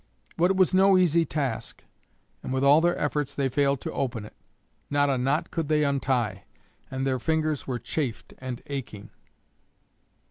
But it was no easy task, and with all their efforts they failed to open it. Not a knot could they untie, and their fingers were chafed and aching.